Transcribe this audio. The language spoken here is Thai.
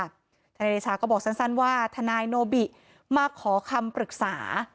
ทนายเดชาก็บอกสั้นว่าทนายโนบิมาขอคำปรึกษา